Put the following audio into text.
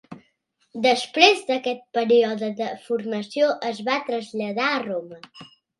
Després d'aquest període de formació es va traslladar a Roma.